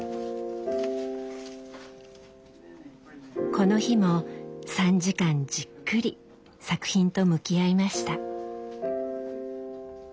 この日も３時間じっくり作品と向き合いました。